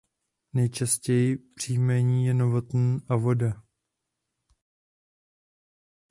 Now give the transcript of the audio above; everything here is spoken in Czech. Nejčastěji příjmení je "Novotný" a "Voda".